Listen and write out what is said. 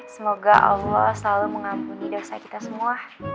semoga allah selalu mengampuni dosa kita semua